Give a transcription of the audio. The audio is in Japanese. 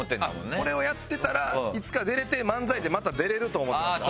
これをやってたらいつか出れて漫才でまた出れると思ってました。